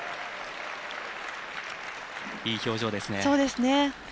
いい表情ですね。